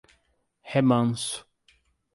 Remanso